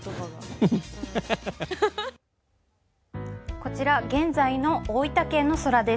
こちら現在の大分県の空です。